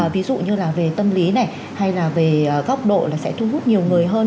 ví dụ như là về tâm lý này hay là về góc độ là sẽ thu hút nhiều người hơn